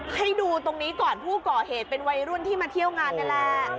ให้ดูตรงนี้ก่อนผู้ก่อเหตุเป็นวัยรุ่นที่มาเที่ยวงานนี่แหละ